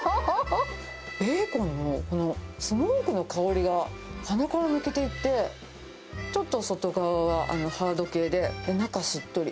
ベーコンのこのスモークの香りが鼻から抜けていって、ちょっと外側はハード系で中しっとり。